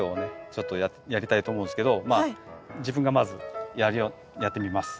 ちょっとやりたいと思うんですけど自分がまずやってみます。